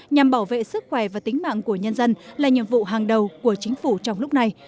nhằm bảo vệ sức khỏe và tính mạng của nhân dân là nhiệm vụ hàng đầu của chính phủ trong lúc này